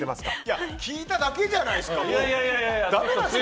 聞いただけじゃないですか。